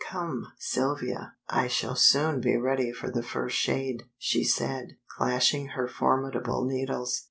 "Come, Sylvia, I shall soon be ready for the first shade," she said, clashing her formidable needles.